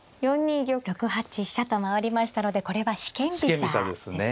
６八飛車と回りましたのでこれは四間飛車ですね。